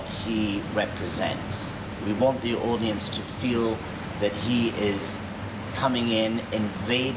ว่าเขาจะมาเกี่ยวกับทางหลังที่มีผู้หญิงในห้องของเกิด